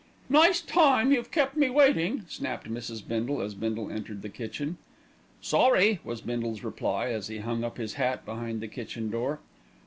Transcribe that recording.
"Nice time you've kept me waiting!" snapped Mrs. Bindle, as Bindle entered the kitchen. "Sorry!" was Bindle's reply as he hung up his hat behind the kitchen door.